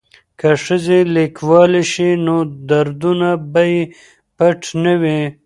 که ښځې لیکوالې شي نو دردونه به یې پټ نه وي.